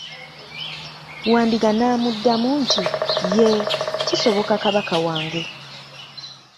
Wandiga n'amuddamu nti, yee, kisoboka kabaka wange.